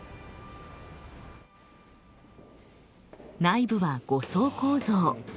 内部は５層構造。